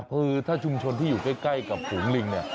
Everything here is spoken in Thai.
คือถ้าชุมชนที่อยู่ใกล้กับฝูงลิงเนี่ย